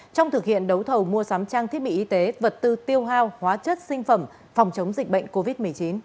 trong thực hiện đấu thầu mua sắm trang thiết bị y tế vật tư tiêu hao hóa chất sinh phẩm phòng chống dịch bệnh covid một mươi chín